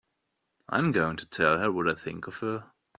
I'm going to tell her what I think of her!